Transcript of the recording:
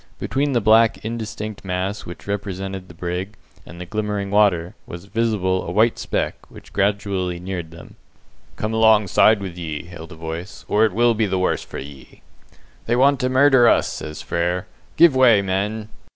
Between the black indistinct mass which represented the brig, and the glimmering water, was visible a white speck, which gradually neared them. "Come alongside with ye!" hailed a voice, "or it will be the worse for ye!" "They want to murder us," says Frere. "Give way, men!"